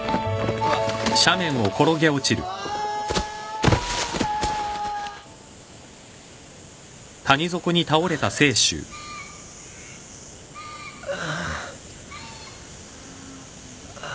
うっああ。